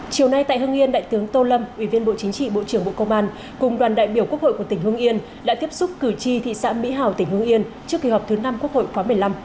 chiều nay tại hương yên đại tướng tô lâm ủy viên bộ chính trị bộ trưởng bộ công an cùng đoàn đại biểu quốc hội của tỉnh hương yên đã tiếp xúc cử tri thị xã mỹ hào tỉnh hương yên trước kỳ họp thứ năm quốc hội khóa một mươi năm